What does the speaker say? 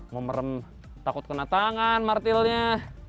mau merem takut kena tangan martilnya